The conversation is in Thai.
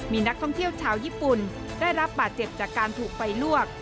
มีนักท่องเที่ยวชาวญี่ปุ่นได้รับบาดเจ็บจากการถูกไฟลวก